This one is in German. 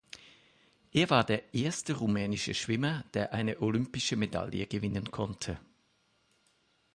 Er war der erste rumänische Schwimmer, der eine olympische Medaille gewinnen konnte.